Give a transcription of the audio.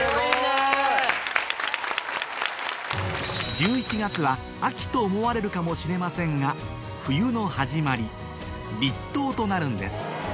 １１月は秋と思われるかもしれませんが冬の始まり立冬となるんです